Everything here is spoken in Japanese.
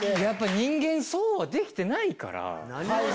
人間そうはできてないから。